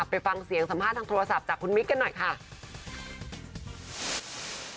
ไปฟังเสียงสัมภาษณ์ทางโทรศัพท์จากคุณมิ๊กกันหน่อยค่ะ